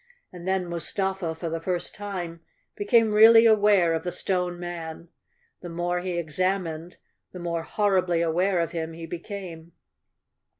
And then Mustafa for the first time became really aware of the Stone Man. The more he examined, the more horribly aware of him he became.